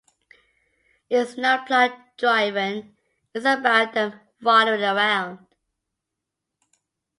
It's not plot-driven, it's about them wandering around.